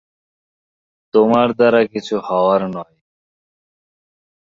তোমার দ্বারা কিচ্ছু হওয়ার নয়।